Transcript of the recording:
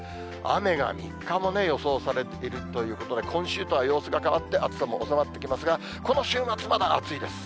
雨が３日も予想されているということで、今週とは様子が変わって、暑さも収まってきますが、この週末、まだ暑いです。